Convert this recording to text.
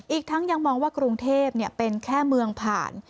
อีกทั้งยังมองว่ากรุงเทพเป็นแค่เมืองผ่าน